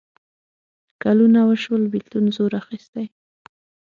کلونه وشول بېلتون زور اخیستی.